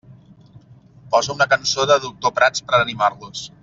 Posa una cançó de Doctor Prats per animar-los.